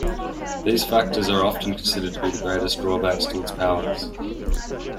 These factors are often considered to be the greatest drawbacks to its powers.